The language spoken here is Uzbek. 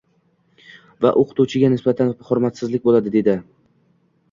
va o‘qituvchiga nisbatan hurmatsizlik bo‘ladi» dedi...